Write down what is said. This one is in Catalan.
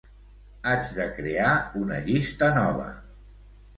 Haig de crear una llista nova.